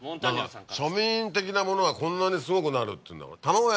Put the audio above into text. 庶民的なものがこんなにすごくなるって言うんだから。